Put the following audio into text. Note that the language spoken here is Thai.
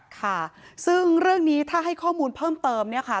ค่ะซึ่งเรื่องนี้ถ้าให้ข้อมูลเพิ่มเติมเนี่ยค่ะ